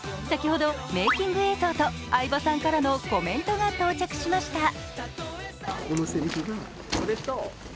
先ほどメーキング映像と相葉さんからのコメントが到着しました。